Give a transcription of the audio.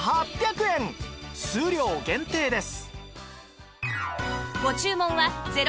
数量限定です